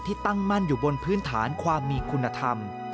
ตั้งมั่นอยู่บนพื้นฐานความมีคุณธรรม